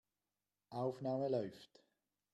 Aufnahme läuft.